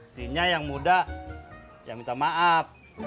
sebenernya yang muda yang minta maaf